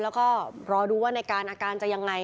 แล้วก็รอดูว่าในการอาการจะยังไง